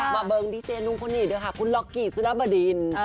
เบิงดีเจลุงคนนี้ด้วยค่ะคุณล็อกกี้สุนบดิน